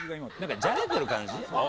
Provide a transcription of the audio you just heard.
じゃれてる感じ？